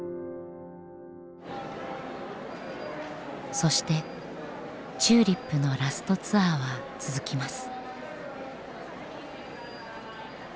そしてＴＵＬＩＰのラストツアーは続きます。